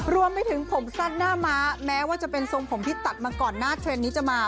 รวมไปถึงผมสั้นหน้าม้าแม้ว่าจะเป็นทรงผมที่ตัดมาก่อนหน้าเทรนด์นี้จะมา